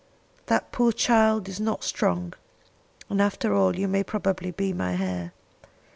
That poor child is not strong, and after all you may probably be my heir.